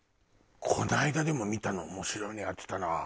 この間でも見たの面白いのやってたな。